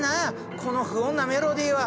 この不穏なメロディーは！